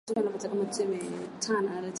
namwalika edwin david ndegetela katika uchaguzi